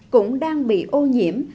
cũng đang bị ô nhiễm